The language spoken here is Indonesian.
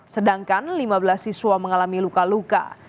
sedangkan lima belas siswa mengalami luka luka